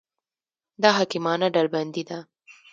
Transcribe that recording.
دا حکیمانه ډلبندي ده.